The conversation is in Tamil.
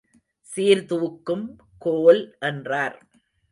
சீர்தூக்கும் கோல் என்றார்.